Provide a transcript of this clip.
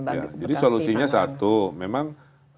jadi solusinya satu memang